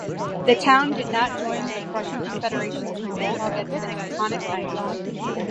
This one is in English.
The town did not join the Prussian Confederation's revolt against the Teutonic Knights.